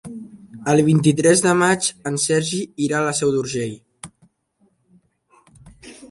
El vint-i-tres de maig en Sergi irà a la Seu d'Urgell.